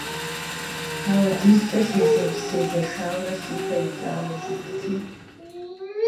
до того я чувствовал себя утомленным и замученным.